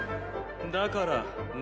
だから何？